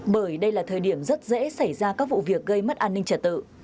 bởi đây là thời điểm rất dễ xảy ra các vụ việc gây mất an ninh trật tự